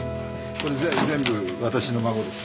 これ全部私の孫です。